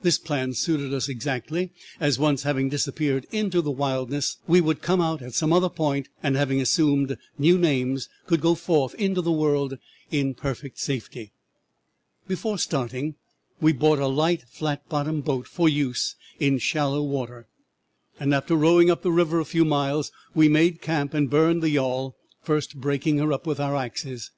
This plan suited us exactly, as once having disappeared in the wilderness we could come out at some other point, and having assumed new names could go forth into the world in perfect safety. "'Before starting we bought a light flat bottomed boat for use in shallow water, and after rowing up the river a few miles we made camp and burned the yawl, first breaking her up with our axes.